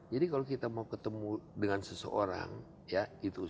jadi kalau kita mau ketemu dengan seseorang ya gitu